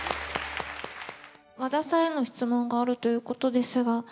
和田さんへの質問があるということですが。